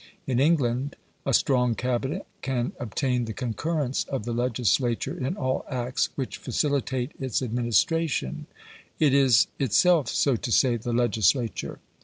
In England a strong Cabinet can obtain the concurrence of the legislature in all acts which facilitate its administration; it is itself, so to say, the legislature.